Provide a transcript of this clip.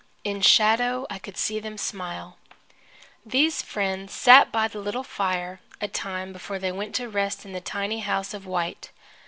In shadow, I could see them smile. These friends sat by the little fire a time before they went to rest in the tiny house of white.